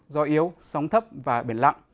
gió yếu sóng thấp và biển lặng